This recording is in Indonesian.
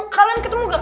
kalian ketemu gak